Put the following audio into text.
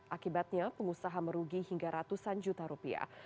akibatnya pengusaha merugi hingga ratusan juta rupiah